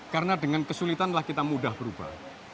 karena dengan kesulitanlah kita mudah berubah